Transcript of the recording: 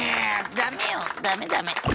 「ダメよダメダメ」。